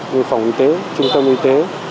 như phòng y tế trung tâm y tế